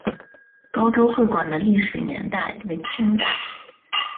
高州会馆的历史年代为清代。